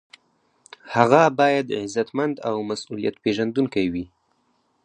هغه باید عزتمند او مسؤلیت پیژندونکی وي.